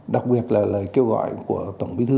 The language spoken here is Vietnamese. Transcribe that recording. đặc biệt là lời kêu gọi của tổng bí thư